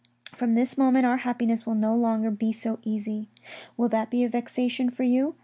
From this moment our happiness will no longer be so easy. Will that be a vexation for you